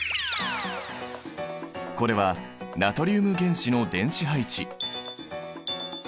これはナトリウム原子の電子配置。